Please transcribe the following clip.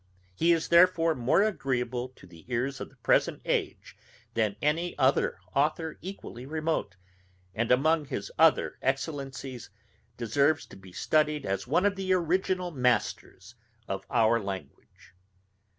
He is therefore more agreeable to the ears of the present age than any other authour equally remote, and among his other excellencies deserves to be studied as one of the original masters of our language.